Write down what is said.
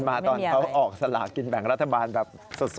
มาตอนเขาออกสลากินแบ่งรัฐบาลแบบสด